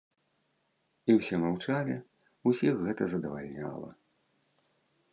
І ўсе маўчалі, усіх гэта задавальняла.